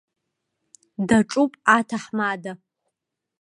Даҿуп аҭаҳмада.